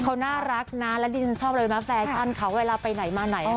เขาน่ารักนะแล้วดิฉันชอบเลยนะแฟชั่นเขาเวลาไปไหนมาไหน